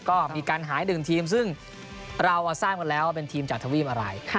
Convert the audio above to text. ก็มีการหาย๑ทีมซึ่งเราทราบกันแล้วว่าเป็นทีมจากทวีปอะไร